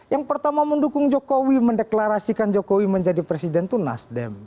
yang pertama mendukung jokowi mendeklarasikan jokowi menjadi presiden itu nasdem